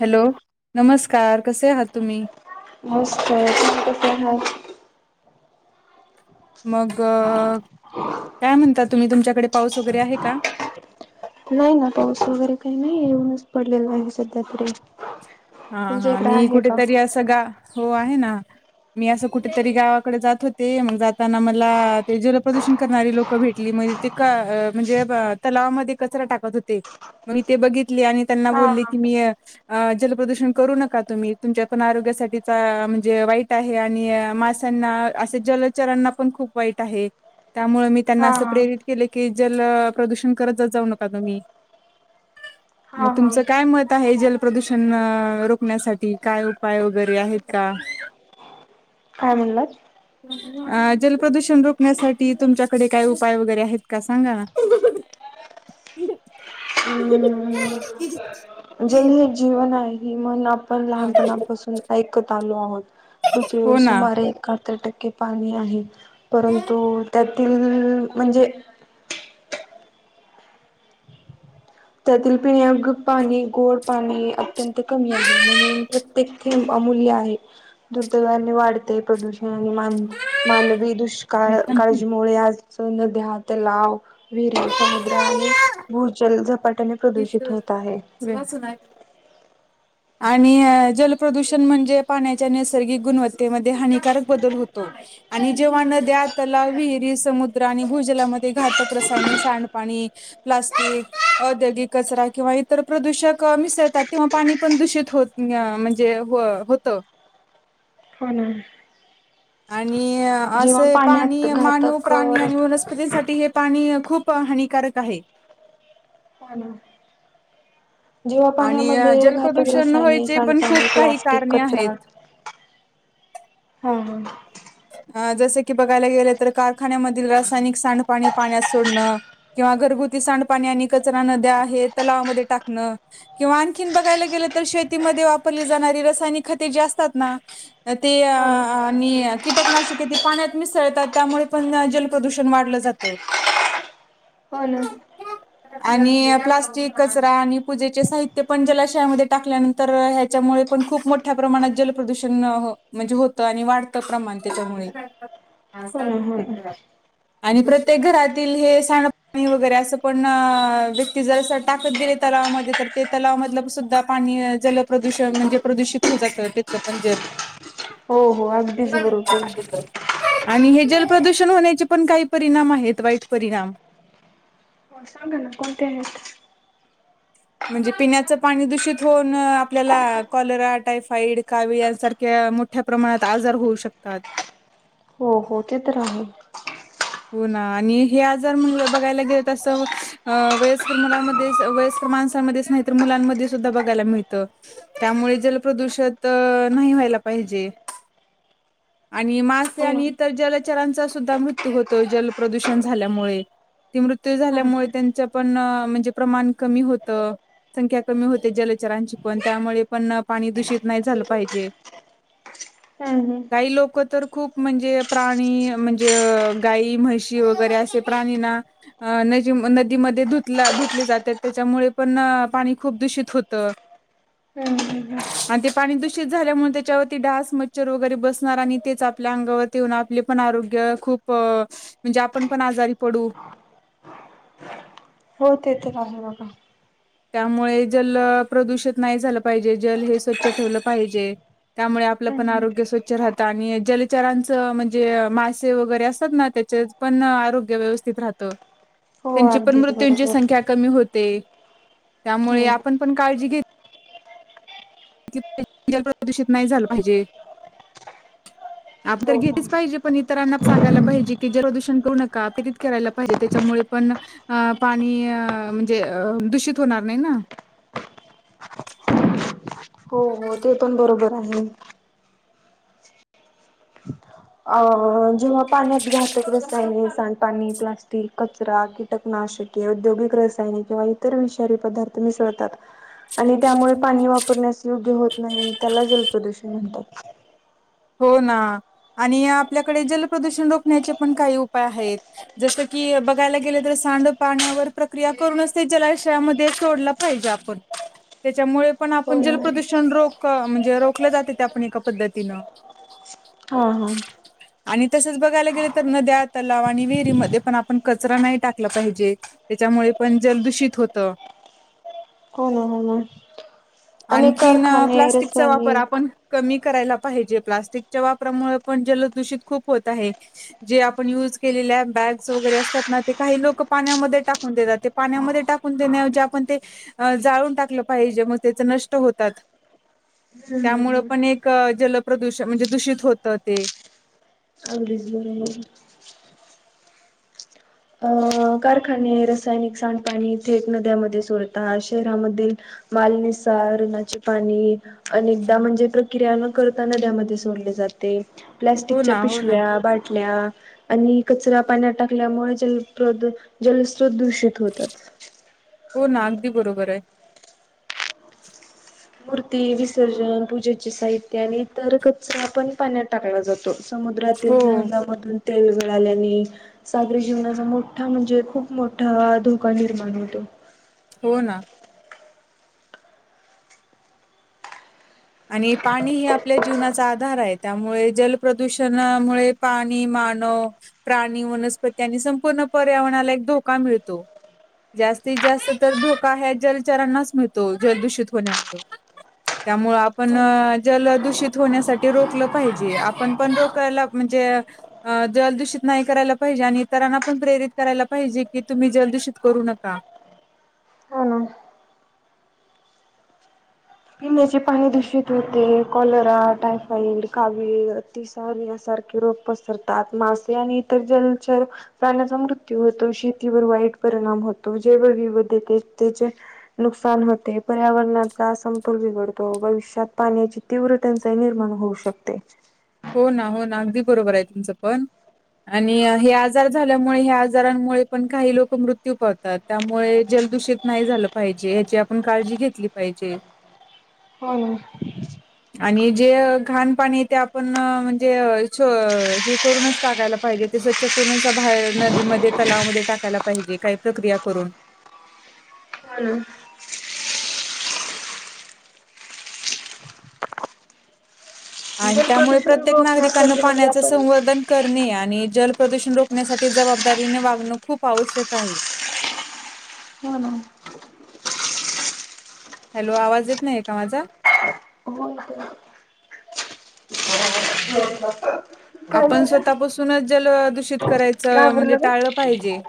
Hello नमस्कार कसे आहात तुम्ही. मस्त हाय तुम्ही कसे आहात. मग काय म्हणता तुम्ही तुमच्याकडे पाऊस वगैरे आहे का? नाही ना पाऊस वगैरे काही नाही ऊनच पडलेला आहे सध्या तरी हा तुमच्या हा इकडे मी आहे का? कुठेतरी अस गा हो आहे ना. मी असं कुठेतरी गावाकडे जात होते मग जाताना मला ते जलप्रदूषण करणारी लोक भेटली म्हणजे ते का म्हणजे अ तलावामध्ये कचरा टाकत होते म ते बघितले आणि त्याना हा बोलली हा कि मी अ जल प्रदूषण करू नका तुम्ही तुमच्या पण आरोग्यासाठी चा अ म्हणजे वाईट आहे आणि मास् त्यना असे जलचरांना पण खूप वाईट आहे. त्यामुळे मी त्यांना हा असं हा प्रेरित केलं की जल प्रदूषण करत जाऊ नका तुम्ही? मग हा हा. तुमचं काय मत आहे जल प्रदुषण रोखण्यासाठी काय उपाय वगैरे आहेत का. काय म्हणलात. अ जल प्रदूषण रोखण्यासाठी तुमच्याकडे काय उपाय वगैरे आहेत का सांगा ना. [unintelligible] जल हे जीवन आहे मग आप आपण लहानपणापासून ऐकत आलो आहोत, पृथ्वीवर हो ना. सुमारे एकाहत्तर टक्के पाणी आहे, परंतु त्यातील म्हणजे त्यातील पिन्यायोग्य पाणी गोड. पाणी अत्यंत कमी आहे म्हणून प्रत्येक थेंब अमूल्य आहे. दुर्दैवाने वाढते प्रदूषण आणि मान, मानवी दुष्काळ काळजीमुळे आज अस नद्या, तलाव, विहिरी, समुद्र आणि भूजल झपाट्याने तिच, प्रदूषित होत आहे चूनाचूनाय. आणि जलप्रदूषण म्हणजे पाण्याच्या नैसर्गिक गुणवत्तेमध्ये हानिकारक बदल होतो. आणि जेव्हा नद्या, तलाव, विहिरी, समुद्र आणि भूजलामध्ये घातक रसायने, सांडपाणी. प्लास्टिक अ औद्योगिक कचरा किंवा इतर प्रदूषक मिसळतात तेंव्हा पाणी पण दूषित होत म्हणजे जे हो होतं. हो ना. आणि जेव्हा असं हे पाण्यात पाणी मानव, घातक प्राणी आणि पाना वनस्पतींसाठी हे पाणी खूप हानिकारक आहे. हा ना. जेव्हा आणि पाण्यामध्ये घातक जलप्रदूषण रसायने, व्हायचे पण खूप सांडपाणी, काही प्लास्टिक, कारणे आहेत कचरा. हा हा. हा जसं की बघायला गेलं तर कारखान्यामधील रासायनिक सांडपाणी पाण्यात सोडणं. किंवा घरगुती सांडपाणी आणि कचरा नद्या आहे तलावामध्ये टाकणं. किंवा आणखीन बघायला गेलं तर शेतीमध्ये वापरली जाणारी रसायनिक खते जे असतात ना. ते आ हो ना आणि कीटकनाशक ते पाण्यात मिससळतात त्यामुळे पण जलप्रदूषण वाढलं जातं. [inaudible] हो ना. आणि प्लास्टिक, कचरा आणि पूजेचे साहित्य पण जलाशयामध्ये टाल्यानं तर ह्याच्यामुळे पण खूप मोठ्या प्रमाणात जलप्रदूषण, म्हणजे होतं आणि वाढतं प्रमाण. त्याच्यामुळे. हो ना हो. आणि प्रत्येक घरातील हे सांडपाणी वगैरे असं पण व्यक्ती जर टाकत गेले तलावामध्ये तर ते तलाव मधलं सुद्धा पाणी जलप्रदूषण म्हणजे प्रदूषित होन जातं त्याच म्हणजे. हो हो अगदीच बरोबर. आणि हे जलप्रदूषण होण्याचे पण काही परिणाम आहेत वाईट परिणाम. हो सांगा ना कोणते आहेत. म्हणजे पिण्याचं पाणी दूषित होऊन आपल्याला कॉलरा, टायफाईड, कावीळ यांसारख्या मो मोठ्या प्रमाणात आजार होऊ शकतात. हो हो ते तर आहे. हो ना आणि हे आजार म्हणलं बघायला गेल अस अ वयस्कर मुलांमध्ये वयस्कर माणसांमध्येच नाही तर मुलांमध्ये सुद्धा बघायला मिळतं. त्यामुळे जलप्रदूषित नाही व्हायला पाहिजे. आणि मासे हो ना आणि इतर जलचरांचा सुद्धा मृ त्यु होतो जल प्रदूषण झाल्यामुळे. ते मृत्यू हा झाल्यामुळे हा. त्यांचं पण म्हणजे प्रमाण कमी होतं. संख्या कमी होते जलचरांची पण त्यामुळे पण पाणी दूषित नाही झालं पाहिजे. हम्म हम्म. काही लोक तर खूप म्हणजे प्राणी म्हणजे अ गाई, म्हशी वगैरे असे प्राणीना अ नजी नदीमध्ये धुतला धुतले जातात त्याच्यामुळे पण पाणी खूप दूषित होतं. [inaudible] हा हा हा. आणि ते पाणी दूषित झाल्यामुळे, त्याच्यावरती ढास, मच्छर वगैरे बसणार आणि तेच आपल्या अंगावर ती येऊन आपले पण, आरोग्य खूप म्हणजे आपण पण आजारी पडू. हो ते तर आहे बघा. त्यामुळे जल प्रदूषित नाही झालं पाहिजे, जल हे स्वच्छ ठेवलं पाहिजे. त्यामुळे आपलं हम्म पण, हम्म. आरोग्य स्वच्छ राहतं आणि जलचरांचं म्हणजे मासे वगैरे असतात ना, त्याचे पण आरोग्य व्यवस्थित राहत, हो त्यांची पण अगदीच मृत्यूंची बरोबर संख्या कमी होते. त्यामुळे हो. आपण पण काळजी घेत की जल प्रदूषित नाही झालं पाहिजे. आप तर हो हो. घेतलीच पाहिजे, पण इतरांना सांगायला पाहिजे की, जल प्रदूषण करू नका, ते आधीच करायला पाहिजे त्याच्यामुळे पण अ पाणी म्हणजे अ दूषित होणार नाही ना. हो हो ते पण बरोबर आहे. अ जेव्हा पाण्यात घातक रसायने, सांडपाणी, प्लास्टीक घरातील कचरा, कीटकनाशके, औद्योगिक रसायनिक किंवा इतर विषारी पदार्थ मिसळतात. आणि त्यामुळे पाणी वापरण्यास योग्य होत नाही, त्याला जलप्रदूषण म्हणतात. हो ना आणि आपल्याकडे जलप्रदूषण रोखण्याचे पण काही उपाय आहेत. जस की बघायला गेलं, तर सांड पाण्यावर प्रक्रिया करूनच ते जलाशयामध्ये सोडल पाहिजे आपण त्याच्यामुळे पण, हो आपण ना. जलप्रदूषण रोख अ म्हणजे रोखल्या जातय, त्या पण एका पद्धतीनं. हा हा. आणि तसंच बघायला गेले तर, नद्या, तलाव आणि विहिरीमध्ये पण आपण कचरा नाही टाकला पाहिजे. त्याच्यामुळे पण जल दूषित होत. हो हो हो. आणखीन प्लास्टिकचा वापर रासायनिक आपण कमी करायला पाहिजे. प्लास्टिकच्या वापरामुळे पण जलदूषित खूप होत आहे. जे आपण युज केलेल्या बॅग्स वगैरे असतात ना, ते काही लोक पाण्यामध्ये टाकून देतात. पाण्यामध्ये टाकून देण्याऐवजी आपण ते, जाळून टाकलं पाहिजे मग त्याच नष्ट होतात. हम्म त्यामुळं हम्म पण एक जलप्रदूष म्हणजे दूषित होतं ते. अच बर [unintelligible] अ कारखाने रसायनिक सांडपाणी थेट नद्यामध्ये सोडतात. शहरामधील मालनिसारणाचे पाणी अनेकदा म्हणजे प्रक्रिया न करताना नद्यामध्ये सोडले जाते. ते हो प्लास्टिकच्या ना हो ना पिशव्या, बाटल्या आणि कचरा पाण्यात टाकल्यामुळे जल प्रदू जलस्रोत दूषित होतात. हो ना. अगदी बरोबर आहे. मूर्ती विसर्जन, पूजेचे साहित्य आणि इतर कचरा पण, पाण्यात टाकला जातो. समुद्रातील हो जहाजामधून तेल गळाल्याने सागरी जीवनाचा मोठा म्हणजे खूप मोठा धोका निर्माण होतो. हो ना. आणि पाणी हे आपल्या जीवनाचा आधार हाय त्यामुळे जलप्रदूषणामुळे पाणी मानव प्राणी, वनस्पती आणि संपूर्ण पर्यावरणाला एक धोका मिळतो. जास्तीत जास्त तर धोका ह्या जलचरांनाच मिळतो, जलदूषित होण्यामुळ त्यामुळ पण हो जल दूषित होण्यासाठी रोखलं पाहिजे. आपण पण रोकायला म्हणजे अ अ जलदूषित नाही करायला पाहिजे आणि इतरांना पण प्रेरित करायला पाहिजे की, तुम्ही जलदूषित करू नका. ना पिण्याचे पाणी दूषित होते. कॉलरा, टायफाईड कावीळ, आतिसार यासारखे रोग पसरतात. मासे आणि इतर जलचर प्राण्याचा मृत्यू होतो. शेतीवर वाईट परिणाम होतो. जैवविविधतेचे नुकसान होते. पर्यावरणाचा सम तोल बिघडतो. भविष्यात पाण्याची तीव्र टंचाई निर्माण होऊ शकते. हो ना. हो ना. अगदी बरोबर आहे तुमचं पण आणि हे आजार झाल्यामुळे ह्या आजारांमुळे पण काही लोक मृत्यू पडतात. त्यामुळे जलदूषित नाही झालं पाहिजे ह्याची आपण काळजी घेतली पाहिजे. [inaudible] हो. ना आणि जे घाण पाणी आहे ते आपण पण म्हणजे हे छो हे करूनच टाकायला पाहिजे ते स्वच्छ करूनच बाहेर नदीमध्ये तलावमध्ये टाकायला पाहिजे काही प्रक्रिया करून. चालल. आणि जल त्यामुळे प्रदूषण प्रत्येक नागरिकांन रोखण्यासाठी म्हणजे पाण्याच आपण संवर्धन करणे आणि जल प्रदूषण रोखण्यासाठी जबाबदारीने वागणं खूप आवश्यक आहे. हो ना. हॅलो, आवाज येत नाही आहे का माझा? हो [unintelligible] [unintelligible] आपण झालं स्वतःपासूनच जल दूषित करायचं म्हणजे घाबरलं का टाळलं पाहिजे.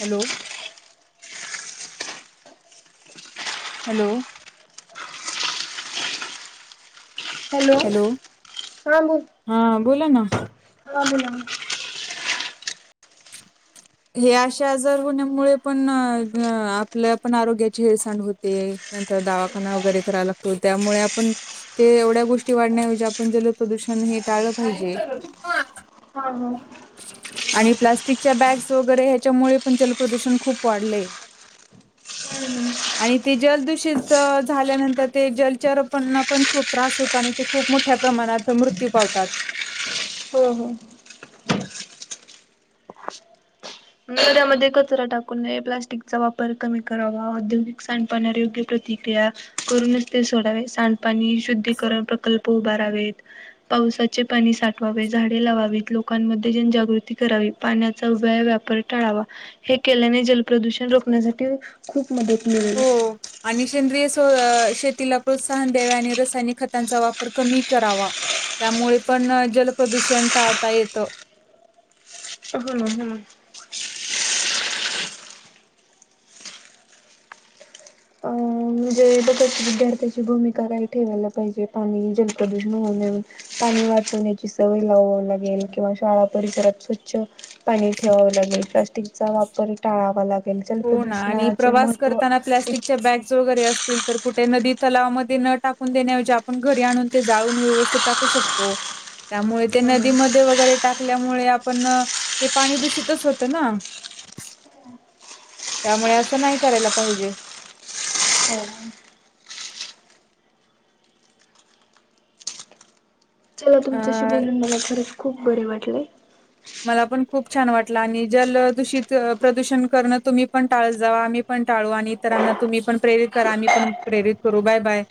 हॅलो. हॅलो. हॅलो [inaudible] हा बोल. हा बोला ना. हा बोला. [inaudible] हे अशा आजार होण्यामुळे पण आपल्या पण आरोग्याची हेळसांड होते. नंतर दावाखाना वगैरे करावा लागतो त्यामुळे आपण ते एवढ्या गोष्टी वाढण्याऐवजी आपण जल प्रदूषण हे टाळलं पाहिजे. हा. [unintelligible] आणि प्लास्टिकच्या बॅग्स वगैरे ह्याच्यामुळे पण जलप्रदूषण खूप वाढलय. हम् ह. आणि ते जलदूषित झाल्यानंतर ते जलचर पणांपण खूप त्रास हो आणि ते खूप मोठ्या प्रमाणात मृत्यू पावतात. हो हो. नदयामध्ये कचरा टाकू नये. प्लास्टिकचा वापर कमी करावा. औद्योगिक सांडपाण्यावर योग्य प्रतिक्रिया करूनच ते सोडावे. सांडपाणी शुद्धीकरण प्रकल्प उभारावेत. पावसाचे पाणी साठवावे. झाडे लावावीत. लोकांमध्ये जनजागृती करावी. पाण्याचा व्यय वाप टळावा हे केल्याने जलप्रदूषण रोखण्यासाठी खूप मदत मिळेल. हो आणि सेंद्रिय सो शेतीला प्रोत्साहन द्यावे आणि रसायनिक खतांचा वापर कमी करावा. त्यामुळे पण जलप्रदूषण टाळता येतं. ह ना हम. ते बघत विद्यार्थ्याची भूमिका काही ठेवायला पाहिजे पाणी जल प्रदूषण होण्या पाणी वाचवण्याची सवय लावावी लागेल किंवा शाळा परिसरात स्वच्छ पाणी ठेवावं लागेल. प्लास्टिकचा वापर टाळावा लागेल. हो ना आणि जलप्रदूषणाचे प्रवास महत्त्व करताना प्लॅस्टिकच्या बॅग्स वगैरे अस असतील तर कुठे नदी तलावामध्ये न टाकून देण्याऐवजी आपण घरी आणून ते जाळून व्यवस्थित टाकू शकतो. त्यामुळे ते हो नदीमध्ये वगैरे टाकल्यामुळे आपण ते पाणी दूषितच होतं ना. त्यामुळे असं नाही करायला पाहिजे. [inaudible] हो. मला तुमच्याशी अ बोलून मला खरंच खूप बरे वाटले. मला पण खूप छान वाटलं आणि जलदूषित प्रदूषण करणं तुम्ही पण टाळत जावा. आम्ही पण टाळू आणि इतरांना तुम्ही पण प्रेरित करा. आम्ही पण प्रेरित करू. बाय-बाय.